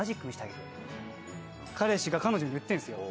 彼氏が彼女に言ってんすよ。